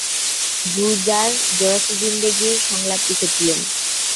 গুলজার "জরা সি জিন্দগি"র সংলাপ লিখেছিলেন।